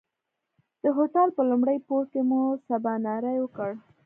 د هوټل په لومړي پوړ کې مو سباناری وکړ.